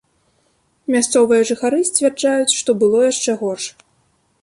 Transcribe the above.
Мясцовыя жыхары сцвярджаюць, што было яшчэ горш.